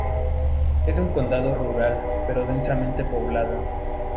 Es un condado rural pero densamente poblado.